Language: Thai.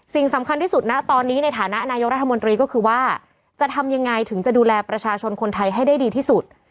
สิ่งสำคัญที่สุดนะตอนนี้ในฐานะนายกรัฐมนตรีก็คือว่าจะทำยังไงถึงจะดูแลประชาชนคนไทยให้ได้ดีที่สุด